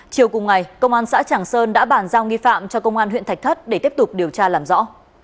chiều cùng ngày công an xã tràng sơn đã bàn giao nghi phạm cho công an huyện thạch thất để tiếp tục điều tra làm rõ